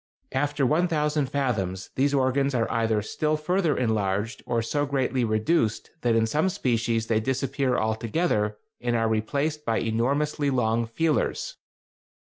After 1000 fathoms these organs are either still further enlarged or so greatly reduced that in some species they disappear altogether and are replaced by enormously long feelers.